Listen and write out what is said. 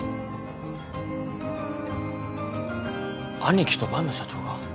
兄貴と万野社長が？